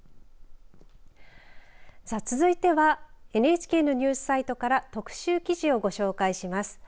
さあ、続いてはＮＨＫのニュースサイトから特集記事をご紹介します。